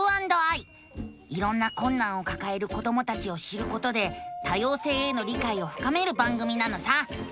いろんなこんなんをかかえる子どもたちを知ることで多様性への理解をふかめる番組なのさ！